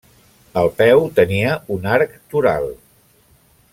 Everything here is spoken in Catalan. El peu tenia un arc toral.